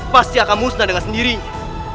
pasti akan musnah dengan sendirinya